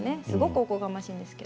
おこがましいんですが。